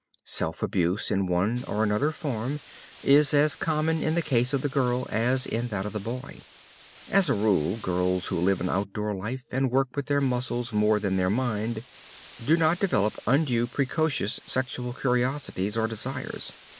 Self abuse in one or another form is as common in the case of the girl as in that of the boy. As a rule, girls who live an outdoor life, and work with their muscles more than their mind, do not develop undue precocious sexual curiosities or desires.